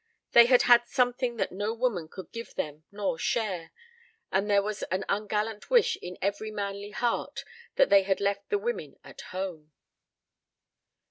They had had something that no woman could give them nor share, and there was an ungallant wish in every manly heart that they had left the women at home.